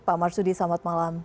pak marsudi selamat malam